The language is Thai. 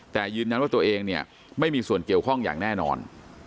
แต่ยืนยันว่าตัวเองเนี่ยไม่มีส่วนเกี่ยวข้องอย่างแน่นอน